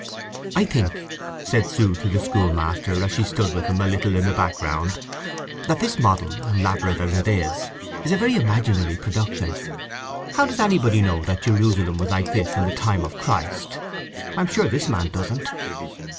"I think," said Sue to the schoolmaster, as she stood with him a little in the background, "that this model, elaborate as it is, is a very imaginary production. How does anybody know that Jerusalem was like this in the time of Christ? I am sure this man doesn't."